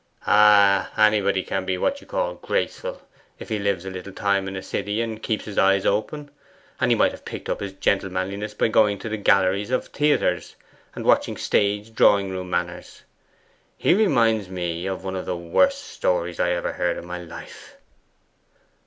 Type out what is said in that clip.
'Ay; anybody can be what you call graceful, if he lives a little time in a city, and keeps his eyes open. And he might have picked up his gentlemanliness by going to the galleries of theatres, and watching stage drawing room manners. He reminds me of one of the worst stories I ever heard in my life.